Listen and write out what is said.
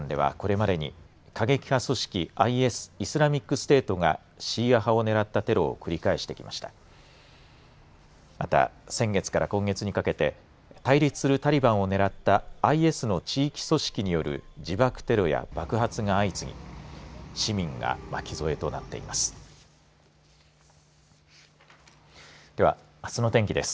また、先月から今月にかけて対立するタリバンを狙ったＩＳの地域組織による自爆テロや爆発が相次ぎ市民が巻き添えとなっています。